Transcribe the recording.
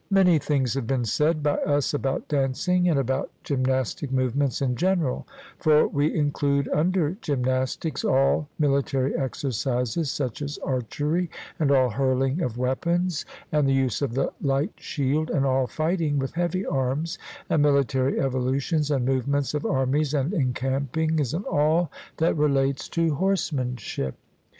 Many things have been said by us about dancing and about gymnastic movements in general; for we include under gymnastics all military exercises, such as archery, and all hurling of weapons, and the use of the light shield, and all fighting with heavy arms, and military evolutions, and movements of armies, and encampings, and all that relates to horsemanship.